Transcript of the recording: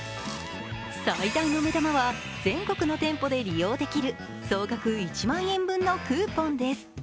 最大の目玉は全国の店舗で利用できる、総額１万円分のクーポンです。